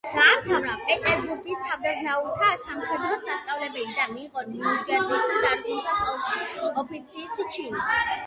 დაამთავრა პეტერბურგის თავადაზნაურთა სამხედრო სასწავლებელი და მიიღო ნიჟეგოროდის დრაგუნთა პოლკში ოფიცრის ჩინი.